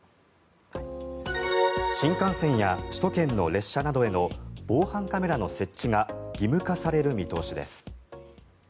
新幹線や首都圏の列車などへの防犯カメラの設置が義務化される見通しです。